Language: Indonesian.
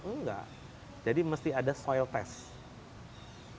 enggak jadi mesti ada soil test